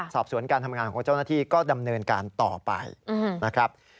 สอบสวนการทำงานของเจ้าหน้าที่ก็ดำเนินการต่อไปนะครับ